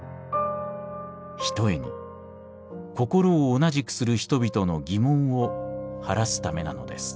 ひとえに心を同じくする人々の疑問を晴らすためなのです」。